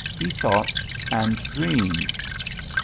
He thought and dreamed.